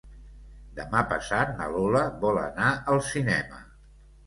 Demà passat na Lola vol anar al cinema.